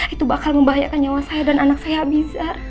itu bakal membahayakan nyawa saya dan anak saya bisa